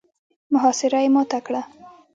محاصره يې ماته کړه.